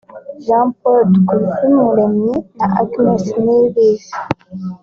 Jean Paul Dukuzumuremyi na Agnes Niyibizi